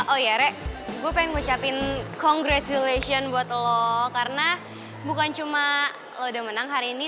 oh ya rek gue pengen ngucapin congret relation buat lo karena bukan cuma lo udah menang hari ini